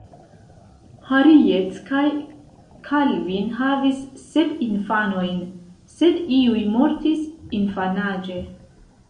Harriet kaj Calvin havis sep infanojn, sed iuj mortis infanaĝe.